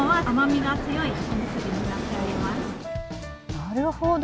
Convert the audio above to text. なるほど。